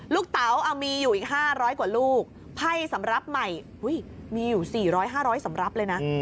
เต๋ามีอยู่อีก๕๐๐กว่าลูกไพ่สำหรับใหม่มีอยู่๔๐๐๕๐๐สำรับเลยนะ